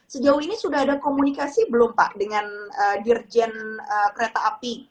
sejauh ini sudah ada komunikasi belum pak dengan dirjen kereta api